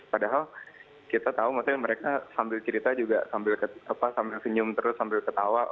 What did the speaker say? padahal kita tahu maksudnya mereka sambil cerita juga sambil senyum terus sambil ketawa